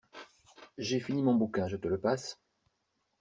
J'ai fini mon bouquin, je te le passe?